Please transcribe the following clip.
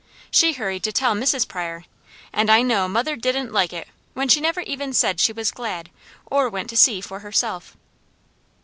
She hurried to tell Mrs. Pryor, and I know mother didn't like it when she never even said she was glad, or went to see for herself.